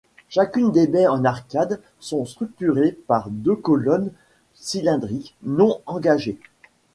Chacune des baies en arcades sont structurées par deux colonnes cylindriques non engagées.